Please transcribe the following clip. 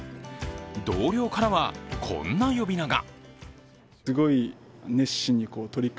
同僚からは、こんな呼び名が。